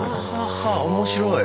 面白い。